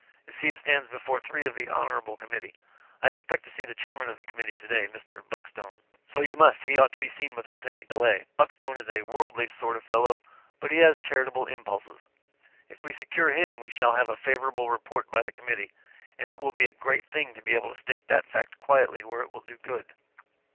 You see it stands before three of the Hon. Committee. I expect to see the chairman of the committee to day, Mr. Buckstone." "So, you must, he ought to be seen without any delay. Buckstone is a worldly sort of a fellow, but he has charitable impulses. If we secure him we shall have a favorable report by the committee, and it will be a great thing to be able to state that fact quietly where it will do good."